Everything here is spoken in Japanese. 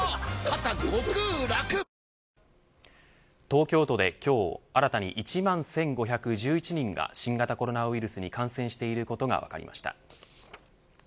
東京都で今日新たに１万１５１１人が新型コロナウイルスに感染していることが分かりました。